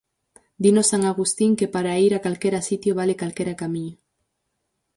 Dinos San Agustín que para ir a calquera sitio vale calquera camiño.